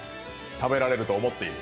食べられると思っている？